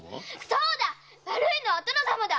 そうだ悪いのはお殿様だ！